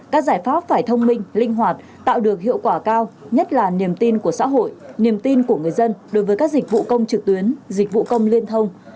các giải pháp phải thông minh linh hoạt tạo được hiệu quả cao nhất là niềm tin của xã hội niềm tin của người dân đối với các dịch vụ công trực tuyến dịch vụ công liên thông